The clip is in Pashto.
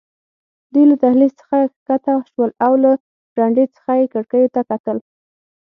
دوی له دهلېز څخه کښته شول او له برنډې څخه یې کړکیو ته کتل.